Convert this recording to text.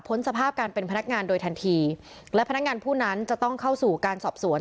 สภาพการเป็นพนักงานโดยทันทีและพนักงานผู้นั้นจะต้องเข้าสู่การสอบสวน